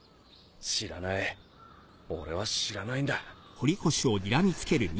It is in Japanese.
知らない俺は知らないんだ。